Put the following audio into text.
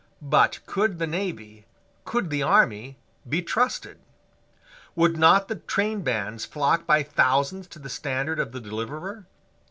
But could the navy, could the army, be trusted? Would not the trainbands flock by thousands to the standard of the deliverer?